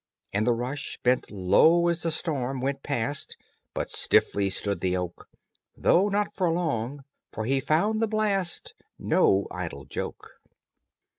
And the rush bent low as the storm went past, But stiffly stood the oak, Though not for long, for he found the blast No idle joke.